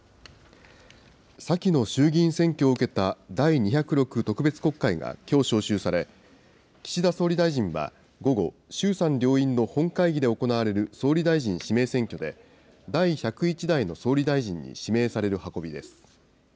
先の衆議院選挙を受けた第２０６特別国会がきょう召集され、岸田総理大臣は午後、衆参両院の本会議で行われる総理大臣指名選挙で、第１０１代の総理大臣に指名される運びです。